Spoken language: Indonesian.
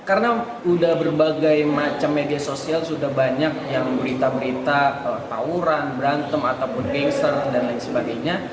karena sudah berbagai macam media sosial sudah banyak yang berita berita tawuran berantem ataupun gangster dan lain sebagainya